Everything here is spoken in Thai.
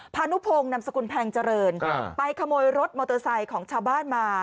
พานุพงศ์นำสกุลแพงเจริญไปขโมยรถมอเตอร์ไซค์ของชาวบ้านมา